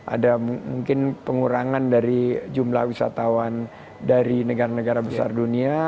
ada mungkin pengurangan dari jumlah wisatawan dari negara negara besar dunia